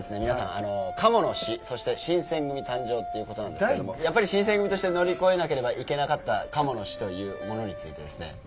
皆さん鴨の死そして新選組誕生っていう事なんですけどやっぱり新選組として乗り越えなければいけなかった鴨の死というものについてですね